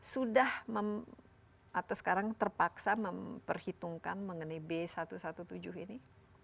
sudah atau sekarang terpaksa memperhitungkan mengenai b satu ratus tujuh belas ini